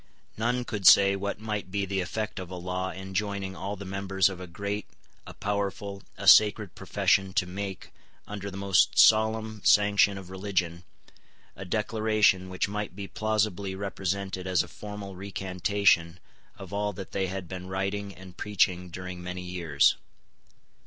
None could say what might be the effect of a law enjoining all the members of a great, a powerful, a sacred profession to make, under the most solemn sanction of religion, a declaration which might be plausibly represented as a formal recantation of all that they had been writing and preaching during many years.